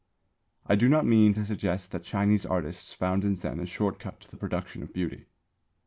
I do not mean to suggest that Chinese artists found in Zen a short cut to the production of beauty.